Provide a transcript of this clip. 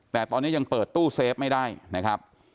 แต่ตอนนี้ยังเปิดตู้เซฟไม่ได้นะครับ